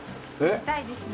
飲みたいですね。